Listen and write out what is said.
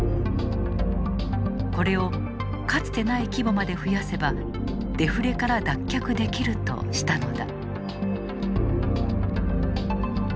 これをかつてない規模まで増やせばデフレから脱却できるとしたのだ。